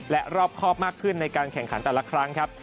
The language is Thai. และรอบครอบมากขึ้นในการแข่งขันแต่ละครั้งครับ